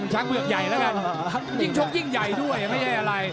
เผือกใหญ่แล้วกันยิ่งชกยิ่งใหญ่ด้วยไม่ใช่อะไร